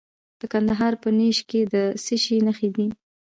د کندهار په نیش کې د څه شي نښې دي؟